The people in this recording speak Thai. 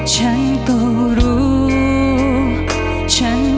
ฉันก็รู้คนจะไปพัง